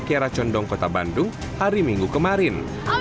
kiaracondong kota bandung hari minggu kemarin